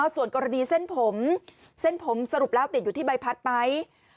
ส่วนกรณีเส้นผมเส้นผมสรุปแล้วติดอยู่ที่ใบพัดไหม